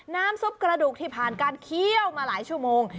น้ำซุปกระดูกที่ผ่านการเคี่ยวมาหลายชั่วโมง